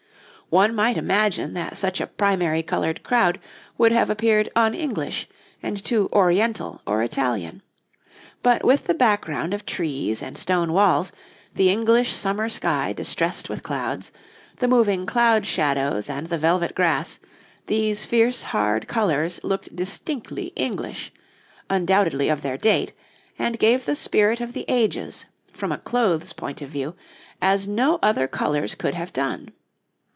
One might imagine that such a primary coloured crowd would have appeared un English, and too Oriental or Italian; but with the background of trees and stone walls, the English summer sky distressed with clouds, the moving cloud shadows and the velvet grass, these fierce hard colours looked distinctly English, undoubtedly of their date, and gave the spirit of the ages, from a clothes point of view, as no other colours could have done.